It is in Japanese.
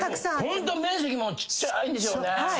ホント面積もちっちゃいんでしょうね。